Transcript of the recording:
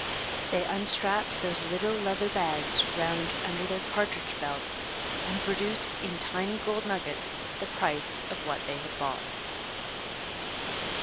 They unstrapped those little leather bags round under their cartridge belts and produced in tiny gold nuggets the price of what they had bought.